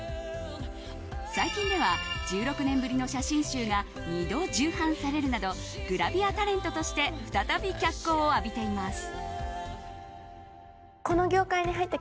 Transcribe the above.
最近では１６年ぶりの写真集が２度重版されるなどグラビアタレントとして再び脚光を浴びています。